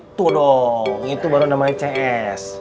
itu dong itu baru namanya cs